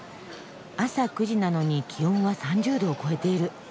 朝９時なのに気温は３０度を超えている。